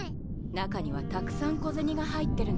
中にはたくさんこぜにが入ってるの。